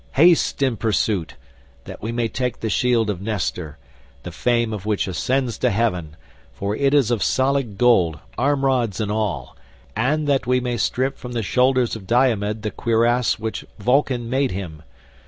Haste in pursuit, that we may take the shield of Nestor, the fame of which ascends to heaven, for it is of solid gold, arm rods and all, and that we may strip from the shoulders of Diomed the cuirass which Vulcan made him.